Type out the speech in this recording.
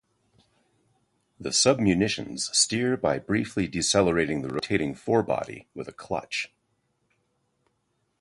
The sub-munitions steer by briefly decelerating the rotating fore-body with a clutch.